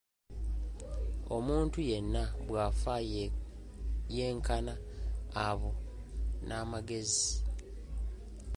Omuntu yenna bw'afa, yenkana aba n'amagezi.